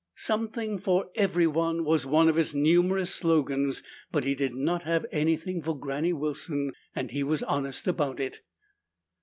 "Something for Everyone," was one of its numerous slogans. But he did not have anything for Granny Wilson and he was honest about it.